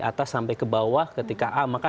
atas sampai ke bawah ketika a maka